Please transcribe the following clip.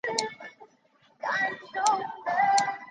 从那时起他便喜爱川端康成的作品和绘画。